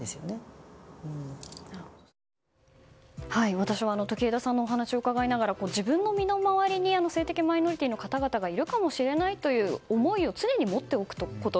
私も時枝さんのお話を伺いながら自分の身の回りに性的マイノリティーの方々がいるかもしれないという思いを常に持っておくこと。